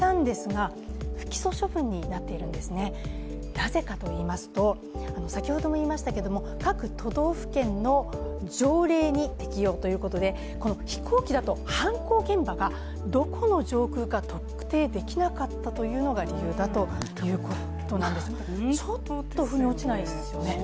なぜかといいますと、先ほども言いましたが各都道府県の条例に適用ということで、この飛行機だと犯行現場がどこの上空か特定できなかったのが理由ということなんですちょっとふに落ちないですよね。